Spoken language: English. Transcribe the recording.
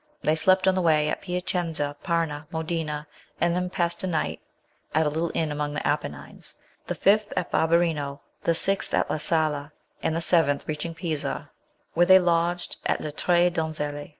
They slept on the way at Piacenza, Parma, Modena, and then passed a night at a little inn among the Apennines, the fifth at Barberino, the sixth at La Scala, and on the seventh reached Pisa, where they lodged at Le Tre Donzelle.